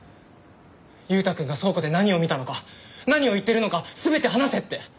裕太くんが倉庫で何を見たのか何を言ってるのか全て話せって。